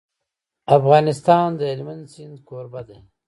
افغانستان د هلمند سیند کوربه دی.